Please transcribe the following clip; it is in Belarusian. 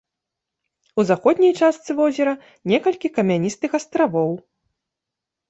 У заходняй частцы возера некалькі камяністых астравоў.